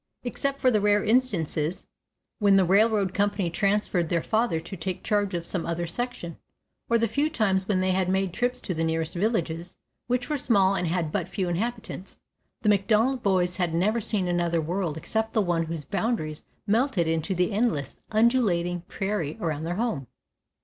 Except for the rare instances, when the railroad company transferred their father to take charge of some other section, or the few times when they had made trips to the nearest villages, which were small and had but few inhabitants, the McDonald boys had never seen another world except the one whose boundaries melted into the endless, undulating prairie around their home.